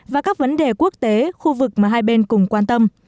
và các vấn đề quốc tế khu vực mà hai bên cùng quan tâm